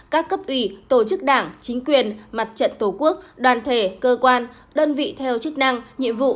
các cấp ủy tổ chức đảng chính quyền mặt trận tổ quốc đoàn thể cơ quan đơn vị theo chức năng nhiệm vụ